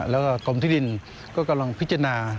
แล้วก็กรมที่ดินก็กำลังพิจารณา